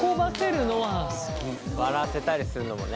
笑わせたりするのもね。